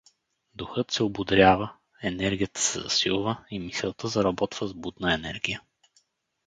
Духът се ободрява, енергията се засилва и мисълта заработва с будна енергия.